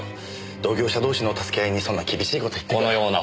同業者同士の助け合いにそんな厳しい事言っても。